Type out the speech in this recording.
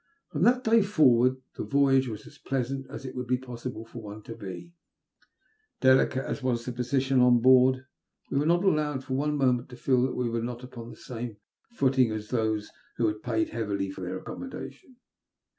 From that day forward the voyage was as pleasant as it would be possible for one to be. Delicate as was our position on board, we were not allowed for one moment to feel that we were not upon the same 312 THB LUST 07 HATB« footing as those who had paid heavily for their accommodation.